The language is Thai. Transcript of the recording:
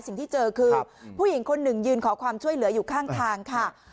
สิ่งที่เจอคือผู้หญิงคนหนึ่งยืนขอความช่วยเหลืออยู่ข้างทางค่ะ